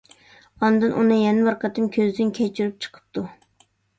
ئاندىن ئۇنى يەنە بىر قېتىم كۆزدىن كەچۈرۈپ چىقىپتۇ.